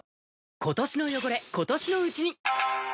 今年の汚れ、今年のうちに。